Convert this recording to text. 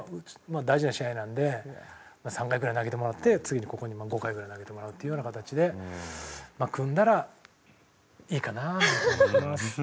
大事な試合なので３回ぐらい投げてもらって次ここで５回ぐらい投げてもらうっていうような形で組んだらいいかななんて思ってます。